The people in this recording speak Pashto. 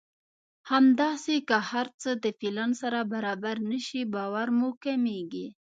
همداسې که هر څه د پلان سره برابر نه شي باور مو کمېږي.